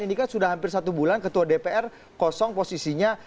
ini kan sudah hampir satu bulan ketua dpr kosong posisinya